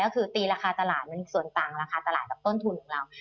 ก็คือตีราคาตลาดมันส่วนต่างราคาตลาดกับต้นทุนของเรา